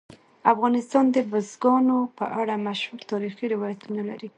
افغانستان د بزګانو په اړه مشهور تاریخي روایتونه لري.